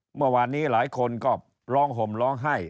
เมื่อวานนี้หลายคนก็ร้องห่มร้องไห้